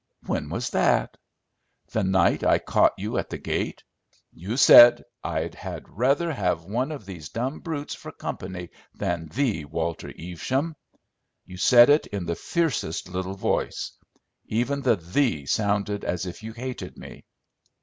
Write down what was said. "When was that?" "The night I caught you at the gate. You said, 'I had rather have one of those dumb brutes for company than thee, Walter Evesham.' You said it in the fiercest little voice. Even the 'thee' sounded as if you hated me."